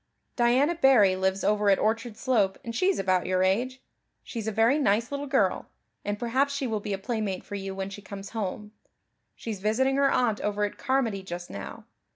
"Diana Barry lives over at Orchard Slope and she's about your age. She's a very nice little girl, and perhaps she will be a playmate for you when she comes home. She's visiting her aunt over at Carmody just now.